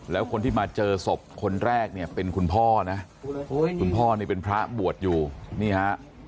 แล้วคนที่มาเจอศพคนแรกเนี่ยเป็นคุณพ่อนะคุณพ่อนี่เป็นพระบวชอยู่นี่ฮะ